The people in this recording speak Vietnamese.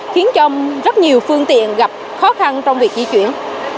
khiến cho rất nhiều phương tiện gặp khó khăn trong việc di chuyển